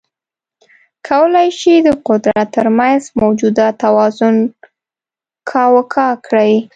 کولای شي د قدرت ترمنځ موجوده توازن کاواکه کړي.